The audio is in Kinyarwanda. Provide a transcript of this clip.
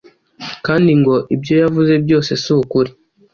kandi ngo ibyo yavuze byose si ukuri